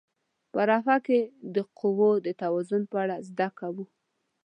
په رافعه کې د قوو د توازن په اړه زده کوو.